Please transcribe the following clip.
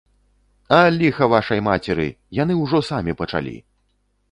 А, ліха вашай мацеры, яны ўжо самі пачалі.